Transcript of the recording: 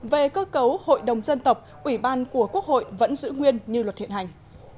về cơ cấu hội đồng dân tộc ủy ban của quốc hội vẫn giữ nguyên như luật hiện hành